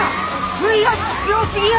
水圧強すぎや！